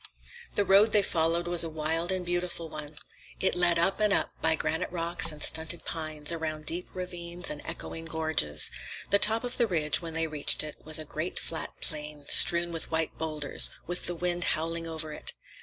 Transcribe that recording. The road they followed was a wild and beautiful one. It led up and up, by granite rocks and stunted pines, around deep ravines and echoing gorges. The top of the ridge, when they reached it, was a great flat plain, strewn with white boulders, with the wind howling over it.